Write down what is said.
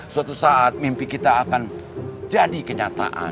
suatu saat mimpi kita akan jadi kenyataan